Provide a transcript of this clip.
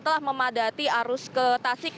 telah memadati arus ke tasik